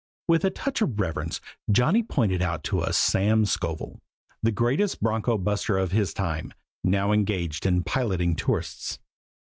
With a touch of reverence Johnny pointed out to us Sam Scovel, the greatest bronco buster of his time, now engaged in piloting tourists.